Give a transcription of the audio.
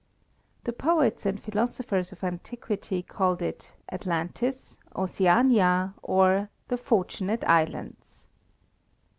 The poets and philosophers of antiquity called it Atlantis, Oceania, or the Fortunate Islands.